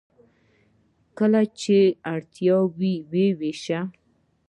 کله چې اړتیا وي و یې ویشي.